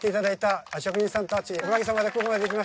おかげさまでここまできました。